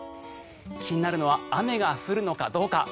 気になるのは雨が降るかどうか。